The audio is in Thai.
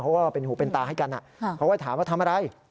เพราะว่าเป็นหูเป็นตาให้กันเขาก็ถามว่าทำอะไร